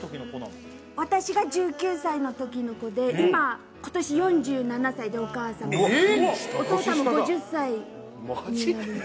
私が１９歳の時の子で今今年４７歳でお母さんがうわ年下だお父さんも５０歳マジで？